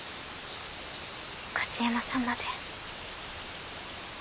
加津山さんまで。